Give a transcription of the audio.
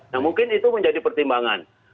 nah mungkin itu menjadi pertimbangan